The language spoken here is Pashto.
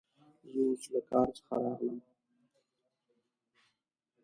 زه اوس له کار څخه راغلم.